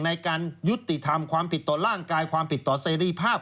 ในการยุติธรรมความผิดต่อร่างกายความผิดต่อเสรีภาพ